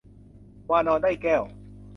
วานรได้แก้ว